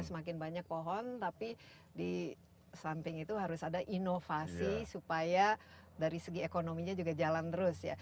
semakin banyak pohon tapi di samping itu harus ada inovasi supaya dari segi ekonominya juga jalan terus ya